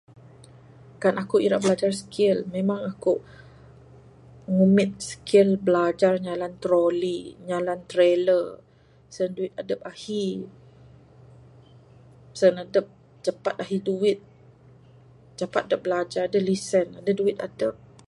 Kan aku ira blajar skill, memang aku ngumit skill blajar bala troli, nyalan trailer sen duit adep ahi. Sen adep capat ahi duit, capat adep blajar adeh lisen adeh duit adep.